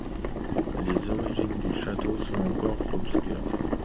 Les origines du château sont encore obscures.